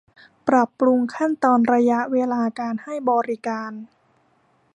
ปรับปรุงขั้นตอนระยะเวลาการให้บริการ